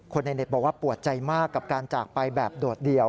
ในเน็ตบอกว่าปวดใจมากกับการจากไปแบบโดดเดี่ยว